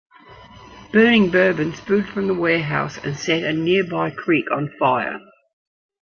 Burning bourbon spilled from the warehouse and set a nearby creek on fire.